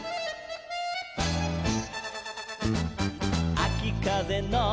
「あきかぜの」